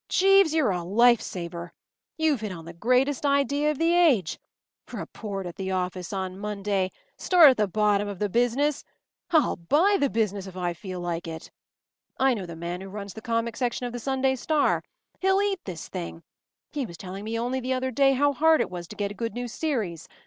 Jeeves, you’re a life saver! You’ve hit on the greatest idea of the age! Report at the office on Monday! Start at the bottom of the business! I’ll buy the business if I feel like it. I know the man who runs the comic section of the Sunday Star. He’ll eat this thing. He was telling me only the other day how hard it was to get a good new series.